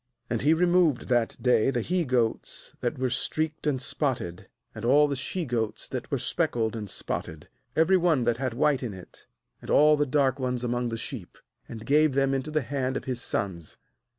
^And he removed that day the he goats that were streaked and spotted, and all the she goats that were speckled and spotted, every one that had white in it, and all the dark ones among the sheep, and gave them into the hand of his sons.